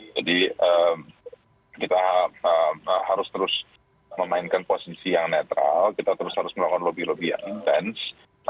jadi kita harus terus memainkan posisi yang netral kita terus terus melakukan lobby lobby yang intens